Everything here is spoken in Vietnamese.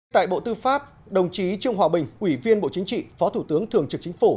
tại bộ tư pháp đồng chí trương hòa bình ủy viên bộ chính trị phó thủ tướng thường trực chính phủ